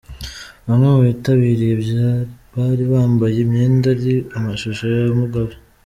Bamwe mu bitabiriye bari mambaye imyenda iriho amashusho ya Mugabe.